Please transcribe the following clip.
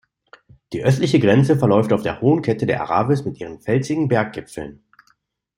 Die östliche Grenze verläuft auf der hohen Kette der Aravis mit ihren felsigen Berggipfeln.